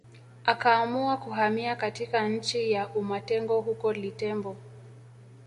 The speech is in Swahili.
Akaamua kuhamia katika nchi ya umatengo huko Litembo